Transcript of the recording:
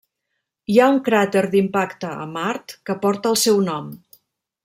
Hi ha un cràter d’impacte a Mart que porta el seu nom.